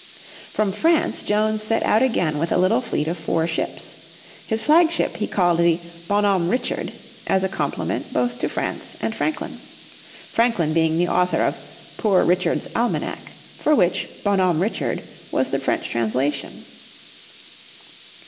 From France Jones set out again with a little fleet of four ships. His flagship he called Bonhomme Richard, as a compliment both to France and Franklin. Franklin being the author of "Poor Richard's Almanac," for which Bonhomme Richard was the French translation.